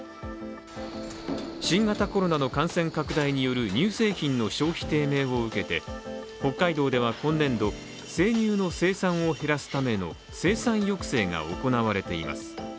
新型コロナの感染拡大による乳製品の消費低迷を受けて、北海道では今年度、生乳の生産を減らすための生産抑制が行われています。